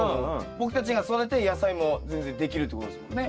僕たちが育てたい野菜も全然できるってことですもんね。